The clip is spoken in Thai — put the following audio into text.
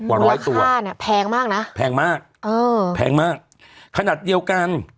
ตัวร้อยตัวแพงมากนะเออแพงมากขนาดเดียวกัน